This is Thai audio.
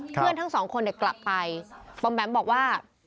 ครับเพื่อนทั้งสองคนเนี่ยกลับไปปำแป๊มบอกว่า